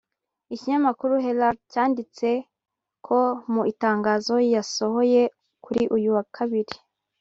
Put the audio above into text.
Ikinyamakuru Herald cyanditse ko mu itangazo yasohoye kuri uyu wa Kabiri